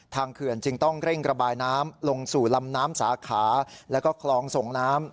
เขื่อนจึงต้องเร่งระบายน้ำลงสู่ลำน้ำสาขาแล้วก็คลองส่งน้ำ